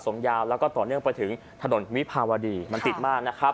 ยาวแล้วก็ต่อเนื่องไปถึงถนนวิภาวดีมันติดมากนะครับ